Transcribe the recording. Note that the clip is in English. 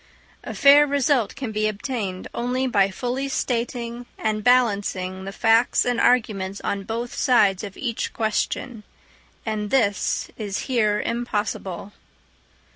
A fair result can be obtained only by fully stating and balancing the facts and arguments on both sides of each question; and this is here impossible.